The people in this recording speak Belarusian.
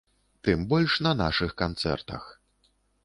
Тым больш на нашых канцэртах.